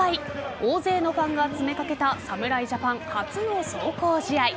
大勢のファンが詰めかけた侍ジャパン初の壮行試合。